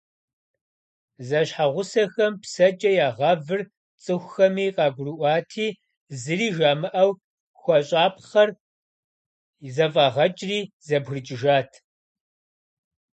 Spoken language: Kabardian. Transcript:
Зэщхьэгъусэхэм псэкӀэ ягъэвыр цӀыхухэми къагурыӀуати, зыри жамыӀэу хуэщӀапхъэр зэфӀагъэкӀри, зэбгрыкӀыжат.